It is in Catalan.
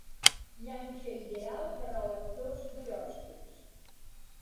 Llanxa ideal per a lectors d'horòscops.